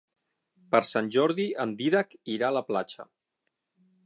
Per Sant Jordi en Dídac irà a la platja.